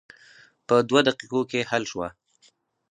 په دوه دقیقو کې حل شوه.